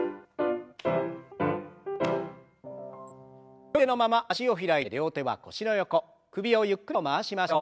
よい姿勢のまま脚を開いて両手は腰の横首をゆっくりと回しましょう。